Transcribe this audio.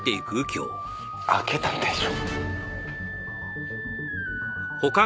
開けたんでしょ。